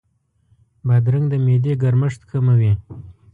بادرنګ د معدې ګرمښت کموي.